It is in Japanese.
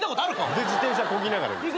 何で自転車こぎながらなんすか。